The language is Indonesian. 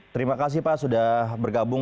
terima kasih pak sudah bergabung